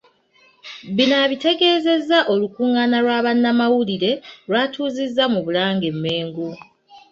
Bino abitegeezezza olukungaana lwa bannamawulire lw’atuuzizza mu Bulange e Mmengo